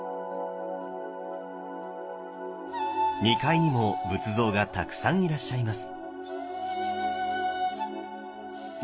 ２階にも仏像がたくさんいらっしゃいます。